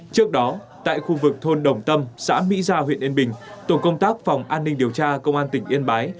trước đó tại khu vực thôn đồng tâm xã mỹ gia huyện yên bình tổ công tác phòng an ninh điều tra công an tỉnh yên bái